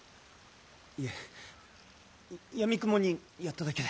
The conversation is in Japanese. いえやみくもにやっただけで。